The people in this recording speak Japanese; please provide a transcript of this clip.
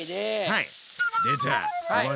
はい。